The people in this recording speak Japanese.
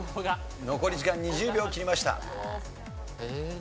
残り時間２０秒を切りました。